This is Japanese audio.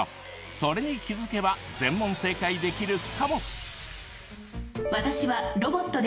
それに気づけば全問正解できるかも。